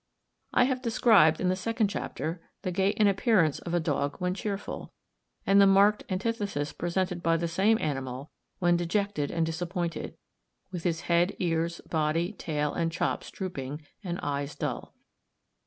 I have described, in the second chapter, the gait and appearance of a dog when cheerful, and the marked antithesis presented by the same animal when dejected and disappointed, with his head, ears, body, tail, and chops drooping, and eyes dull.